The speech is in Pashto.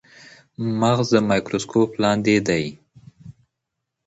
مغز د مایکروسکوپ لاندې دی.